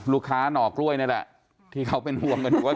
ลูกค้าน่ากล้วยนะฮะที่เขาเป็นกว่าครับ